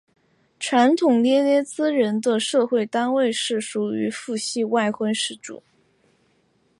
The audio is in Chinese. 传统涅涅茨人的社会单位是属于父系外婚氏族。